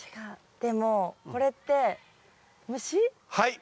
でもこれってはい。